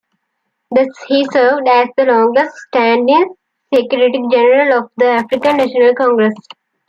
He served as the longest-standing secretary-general of the African National Congress.